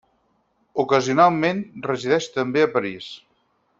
Ocasionalment resideix també a París.